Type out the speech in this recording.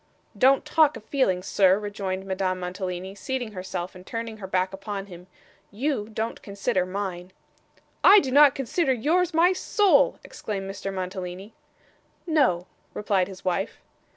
'Don't talk of feelings, sir,' rejoined Madame Mantalini, seating herself, and turning her back upon him. 'You don't consider mine.' 'I do not consider yours, my soul!' exclaimed Mr. Mantalini. 'No,' replied his wife.